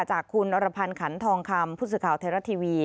จากคุณอรพันธ์ขันทองคำพุทธสุข่าวเทราทีวี